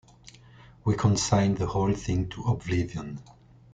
We consign the whole thing to oblivion.